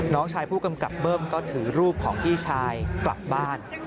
น้องชายผู้กำกับเบิ้มก็ถือรูปของพี่ชายกลับบ้าน